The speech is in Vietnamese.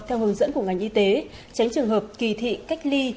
theo hướng dẫn của ngành y tế tránh trường hợp kỳ thị cách ly